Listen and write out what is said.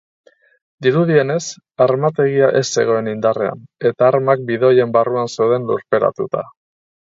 Dirudienez, armategia ez zegoen indarrean, eta armak bidoien barruan zeuden lurperatuta.